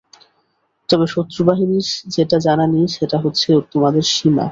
তবে শত্রুবাহিনীর যেটা জানা নেই সেটা হচ্ছে তোমাদের সীমা।